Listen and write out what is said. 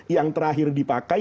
yang terakhir dipakai